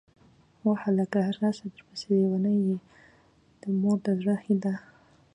واه هلکه!!! راسه درپسې لېونۍ يه ، د مور د زړه هيلهٔ